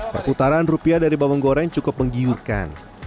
perputaran rupiah dari bawang goreng cukup menggiurkan